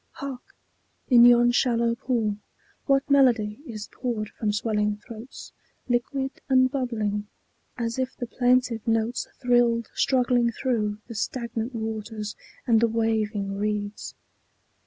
Hark! in yon shallow pool, what melody Is poured from swelling throats, liquid and bubbling, As if the plaintive notes thrilled struggling through The stagnant waters and the waving reeds.